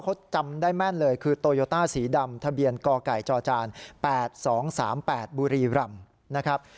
เขาจำได้แม่นเลยคือโตโยต้าสีดำทะเบียนกไก่จจ๘๒๓๘บุรีรำนะครับ